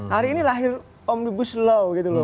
hari ini lahir omnibus law gitu loh